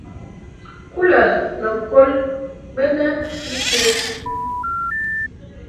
Kūlə̀ nə̀ kol bə̄nē itē.